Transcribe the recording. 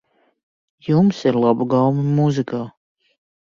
Jums ir laba gaume mūzikā.